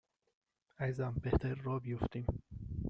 عزیزم بهتره راه بیفتیم